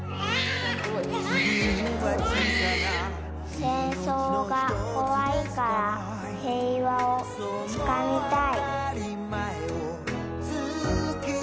戦争が怖いから平和をつかみたい。